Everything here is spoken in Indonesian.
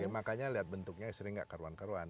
makanya lihat bentuknya sering nggak karuan karuan